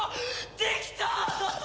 できたー！